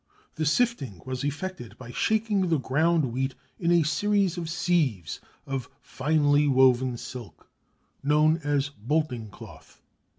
The sifting was effected by shaking the ground wheat in a series of sieves of finely woven silk, known as bolting cloth.